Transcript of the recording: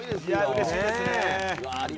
うれしいですね。